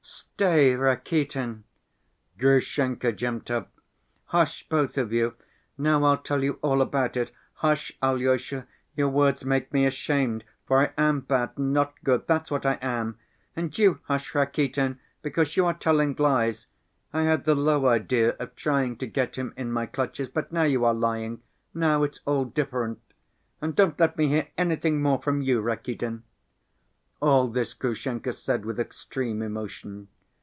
"Stay, Rakitin." Grushenka jumped up. "Hush, both of you. Now I'll tell you all about it. Hush, Alyosha, your words make me ashamed, for I am bad and not good—that's what I am. And you hush, Rakitin, because you are telling lies. I had the low idea of trying to get him in my clutches, but now you are lying, now it's all different. And don't let me hear anything more from you, Rakitin." All this Grushenka said with extreme emotion.